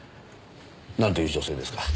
なんという女性ですか？